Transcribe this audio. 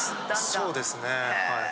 そうですねはい。